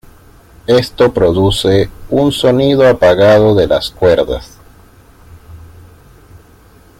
Esto produce un sonido apagado de las cuerdas.